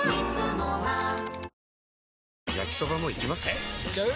えいっちゃう？